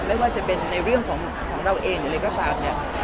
ไม่ว่าจะเป็นในเรื่องของของเราเองหรืออะไรก็ตามเนี่ย